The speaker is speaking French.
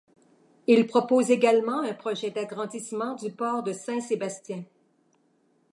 Il propose également un projet d'agrandissement du port de Saint-Sébastien.